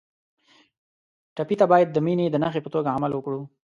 ټپي ته باید د مینې د نښې په توګه عمل وکړو.